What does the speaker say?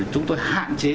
chúng tôi hạn chế